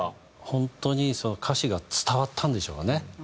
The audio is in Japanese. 本当に歌詞が伝わったんでしょうかね。